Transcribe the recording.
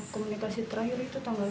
komunikasi terakhir itu tanggal